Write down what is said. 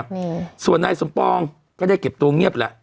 นี่ส่วนนายสมปองก็ได้เก็บตัวเงียบแหละ